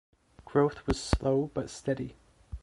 Growth was slow but steady.